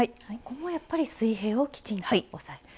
ここもやっぱり水平をきちんと押さえる？